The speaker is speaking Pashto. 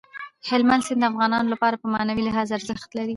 هلمند سیند د افغانانو لپاره په معنوي لحاظ ارزښت لري.